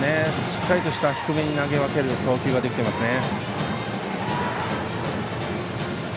しっかりとした低めに投げ分ける投球ができてますね。